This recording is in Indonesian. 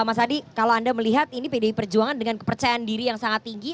mas adi kalau anda melihat ini pdi perjuangan dengan kepercayaan diri yang sangat tinggi